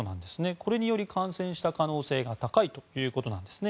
これによって感染した可能性が高いということです。